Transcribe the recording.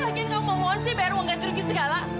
lagi gak mau mohon sih bayar uang ganti rugi segala